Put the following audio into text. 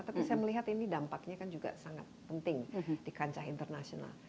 tapi saya melihat ini dampaknya kan juga sangat penting di kancah internasional